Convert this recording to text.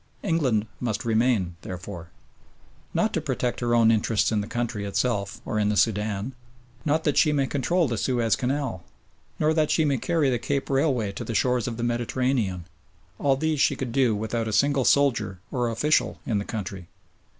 England must remain, therefore. Not to protect her own interests in the country itself or in the Sudan, not that she may control the Suez Canal, nor that she may carry the Cape railway to the shores of the Mediterranean. All these she could do without a single soldier or official in the country.